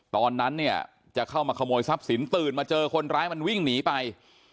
ตอนนั้นเนี่ยจะเข้ามาขโมยทรัพย์สินตื่นมาเจอคนร้ายมันวิ่งหนีไป